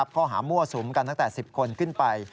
มั่วสุมกันตั้งแต่๑๐คนขึ้นไป